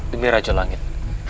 demi rajo langit